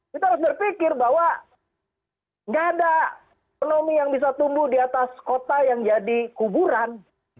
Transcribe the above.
kita harus berpikir bahwa nggak ada ekonomi yang bisa tumbuh di atas kota yang jadi kuburan